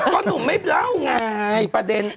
ก็หนุ่มไม่เล่าไงประเด็น